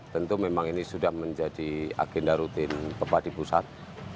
tentu memang ini sudah menjadi agenda rutin pepadi pusat